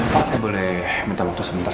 pak saya boleh minta waktu sebentar